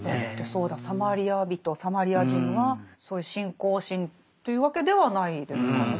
サマリア人サマリア人はそういう信仰心というわけではないですからね。